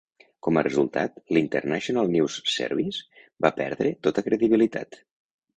Com a resultat, l'International News Service va perdre tota credibilitat.